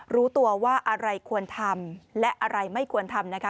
รู้ตัวว่าอะไรควรทำและอะไรไม่ควรทำนะคะ